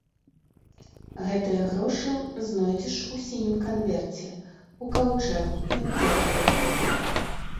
Гэтыя грошы знойдзеш у сінім канверце ў каўчэгу пад торамі.